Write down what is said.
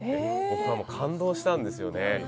僕はもう感動したんですよね。